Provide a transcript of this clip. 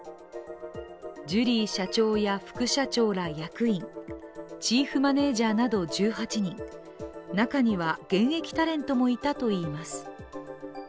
ジュリー社長や副社長ら役員、チーフマネージャーなど１８人、中には現役タレントもいたといいます。